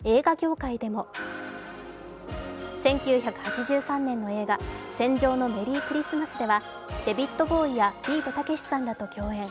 １９８３年の映画「戦場のメリークリスマス」ではデビッド・ボウイやビートたけしさんらと共演。